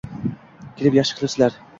Kelib yaxshi qipsilar...